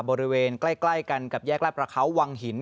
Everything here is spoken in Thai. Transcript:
บริเวณใกล้กันกับแยกลาดประเขาวังหิน